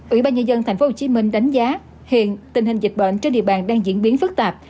ủy ban nhân dân tp hcm đánh giá hiện tình hình dịch bệnh trên địa bàn đang diễn biến phức tạp